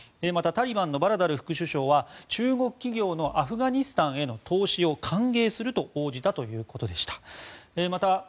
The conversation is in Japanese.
またタリバンのバラダル副首相は中国企業のアフガニスタンへの投資を歓迎すると応じたということでした。